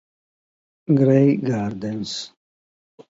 Grey Gardens